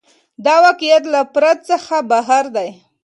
دا واقعیت له فرد څخه بهر دی.